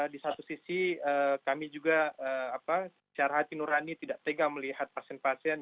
di satu sisi kami juga secara hati nurani tidak tega melihat pasien pasien